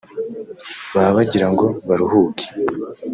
baba bagirango baruhuke